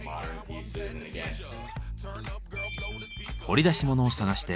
掘り出し物を探して。